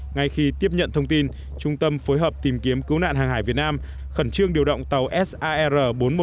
ngay khi tiếp nhận thông tin trung tâm phối hợp tìm kiếm cứu nạn hàng hải việt nam khẩn trương điều động tàu sar bốn trăm một mươi một